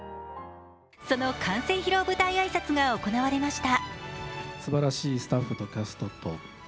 その完成披露舞台挨拶が行われました。